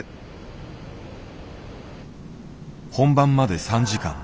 本番まで３時間。